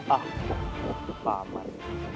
ah pak ahmad